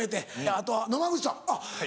あとは野間口さんあっ！